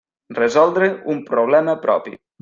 Resoldre un problema propi.